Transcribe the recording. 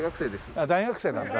あっ大学生なんだ。